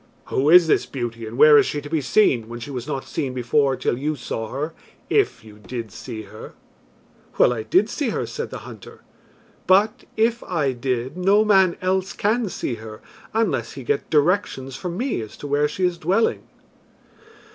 "Who is this beauty and where is she to be seen, when she was not seen before till you saw her, if you did see her?" "Well, I did see her," said the hunter. "But, if I did, no man else can see her unless he get directions from me as to where she is dwelling."